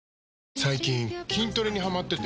最近筋トレにハマってて。